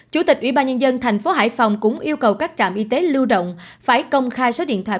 chủ tịch ubnd tp hải phòng cũng yêu cầu các trạm y tế lưu động phải công khai số điện thoại